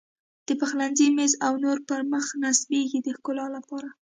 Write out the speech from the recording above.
د پخلنځي میز او نورو پر مخ نصبېږي د ښکلا لپاره.